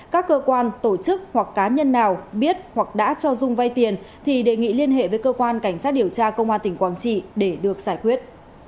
các cơ quan tổ chức hoặc cá nhân nào biết hoặc đã cho dung vay tiền thì đề nghị liên hệ với cơ quan cảnh sát điều tra công an tỉnh quảng trị để được giải quyết